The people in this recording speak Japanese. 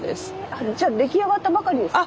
あっじゃあ出来上がったばかりですか？